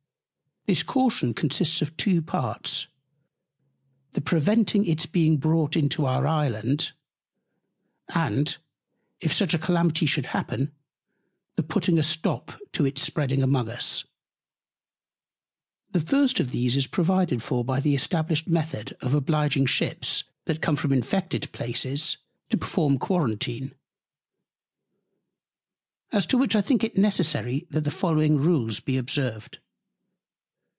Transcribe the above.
This Caution consists of two Parts: The preventing its being brought into our Island; And, if such a Calamity should happen, The putting a stop to its spreading among us. The first of these is provided for by the established Method of obliging Ships, that come from Infected Places, to perform Quarentine: As to which I think it necessary, that the following Rules be observed.